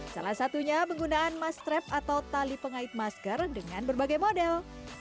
salah satunya penggunaan mas trap atau tali pengait masker dengan berbagai model